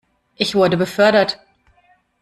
Ich wurde befördert.